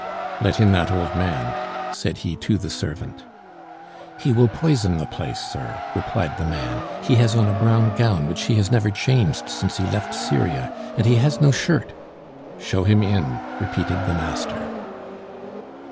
"Let in that old man," said he to the servant. "He will poison the place, sir," replied the man. "He has on a brown gown which he has never changed since he left Syria, and he has no shirt " "Show him in," repeated the master.